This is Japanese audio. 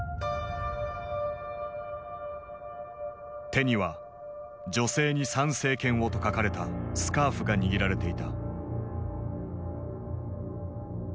手には「女性に参政権を」と書かれたスカーフが握られていた。